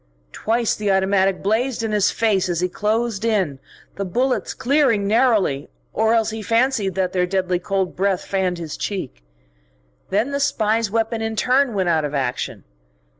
Twice the automatic blazed in his face as he closed in, the bullets clearing narrowly or else he fancied that their deadly cold breath fanned his cheek. Then the spy's weapon in turn went out of action.